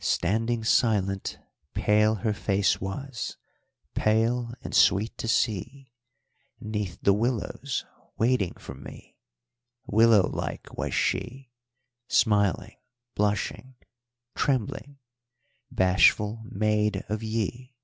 Standing silent, pale her face was, Pale and sweet to see: 'Neath the willows waiting for me, Willow like was she, Smiling, blushing, trembling, bashful Maid of Yí.